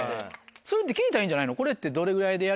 それって聞いたらいいんじゃないの？